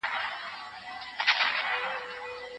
د لمس پیغامونه په ډېره لوړه سرعت لېږدول کېږي.